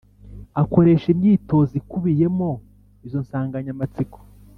akoresha imyitozo ikubiyemo izo nsanganyamatsiko